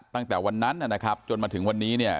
ตั้งแต่วันนั้นจนมาถึงวันนี้